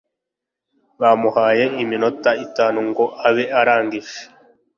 bamuhaye iminota itanu ngo abe arangije